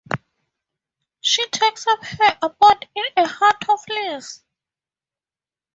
She takes up her abode in a hut of leaves.